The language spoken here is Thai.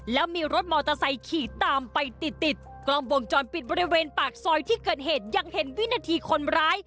แล้วมีรถมอเตอร์ไซค์ขี่ตามไปติดติดกล้องวงจรปิดบริเวณปากซอยที่เกิดเหตุยังเห็นวินาทีคนร้าย